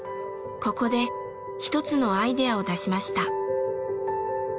ここで一つのアイデアを出しました。